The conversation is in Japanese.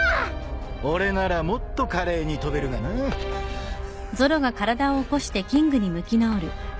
［俺ならもっと華麗に飛べるがな］ハァ。